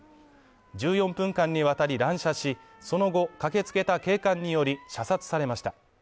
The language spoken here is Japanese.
１４分間にわたり乱射し、その後、駆けつけた警官により射殺されました。